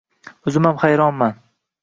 O`zimam xayronman